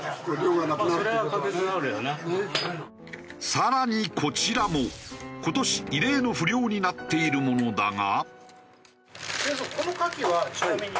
更にこちらも今年異例の不漁になっているものだが。